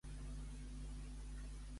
Amb qui es va unir en matrimoni la Maria?